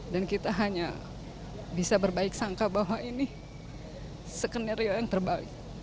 dan kita hanya bisa berbaik sangka bahwa ini skenario yang terbalik